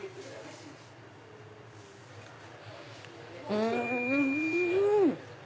うん！